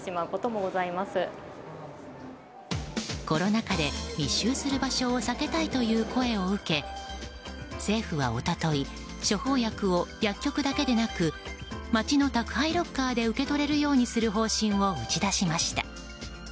コロナ禍で密集する場所を避けたいという声を受け政府は、一昨日処方薬を薬局だけでなく街の宅配ロッカーで受け取れるようにする方針を打ち出しました。